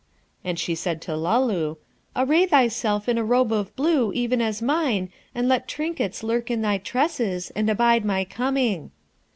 And she said to Luloo, 'Array thyself in a robe of blue, even as mine, and let trinkets lurk in thy tresses, and abide my coming.'